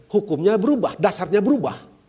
hukumnya berubah dasarnya berubah